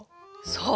そう。